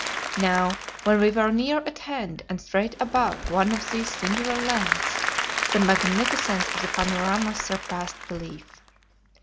Now, when we were near at hand and straight above one of these singular lands, the magnificence of the panorama surpassed belief.